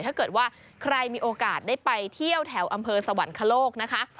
ถ้าเกิดว่าใครมีโอกาสได้ไปเที่ยวแถวอำเภอสวรรคโลกนะคะ